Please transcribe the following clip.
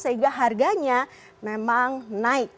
sehingga harganya memang naik